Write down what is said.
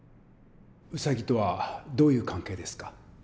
ウサギとはどういう関係ですか？